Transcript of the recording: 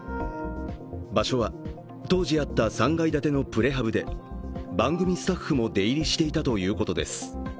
場所は当時あった３階建てのプレハブで番組スタッフも出入りしていたということです